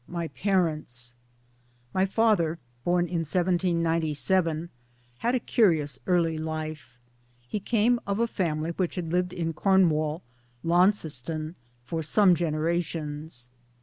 II MY PARENTS MY father (born in 1797) had a curious early life. He came of a family which had lived in Cornwall (Launceston) for some generations.